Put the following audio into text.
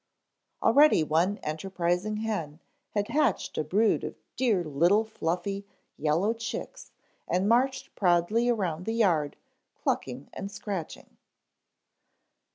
Already one enterprising hen had hatched a brood of dear little fluffy, yellow chicks and marched proudly around the yard clucking and scratching.